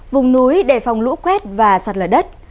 cùng núi để phòng lũ quét và sạt lở đất